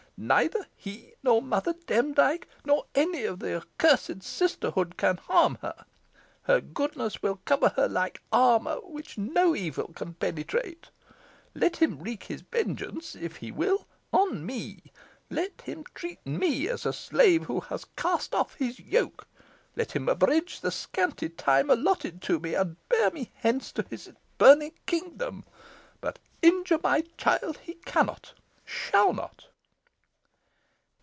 Neither he, nor Mother Demdike, nor any of the accursed sisterhood, can harm her. Her goodness will cover her like armour, which no evil can penetrate. Let him wreak his vengeance, if he will, on me. Let him treat me as a slave who has cast off his yoke. Let him abridge the scanty time allotted me, and bear me hence to his burning kingdom; but injure my child, he cannot shall not!"